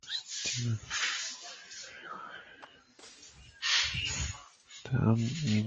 Chatham est desservie par des trains intercités de Via Rail Canada.